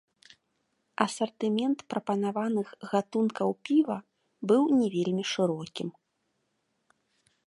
Асартымент прапанаваных гатункаў піва быў не вельмі шырокім.